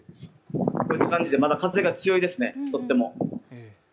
こういった感じでまだ風が強いですね、とても。